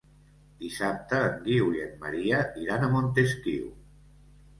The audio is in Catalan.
Dissabte en Guiu i en Maria iran a Montesquiu.